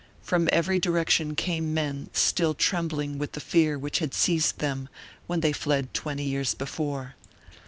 From every direction came men still trembling with the fear which had seized them when they fled twenty years before.